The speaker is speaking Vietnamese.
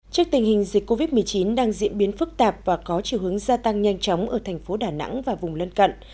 trước tình hình dịch covid một mươi chín đang diễn biến phức tạp và có chiều hướng gia tăng nhanh chóng ở thành phố đà nẵng và vùng lân cận